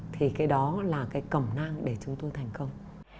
thì cái đó là cái cẩm nang để chúng tôi thành công